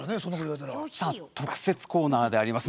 特設コーナーであります。